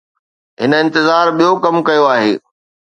هن انتظار ٻيو ڪم ڪيو آهي.